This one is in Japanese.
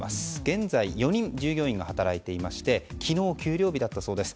現在従業員４人が働いていまして昨日、給料日だったそうです。